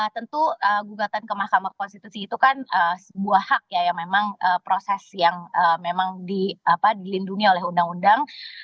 tentu gugatan ke mahkamah konstitusi itu kan sebuah hak ya yang memang proses yang memang dilindungi oleh undang undang